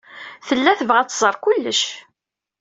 Tella tebɣa ad tẓer kullec.